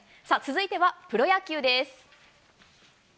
続いてはプロ野球です。